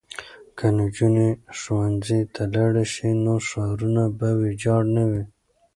که نجونې ښوونځي ته لاړې شي نو ښارونه به ویجاړ نه وي.